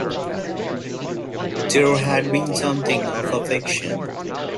There had been something of affection.